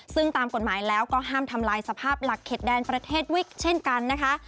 ซึ่งตามกฎหมายแล้วก็ห้ามทำลายสภาพหลักเข็ดแดนประเทศวิกเช่นกันนะคะ